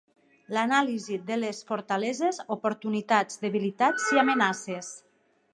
L'anàlisi de les fortaleses, oportunitats, debilitats i amenaces.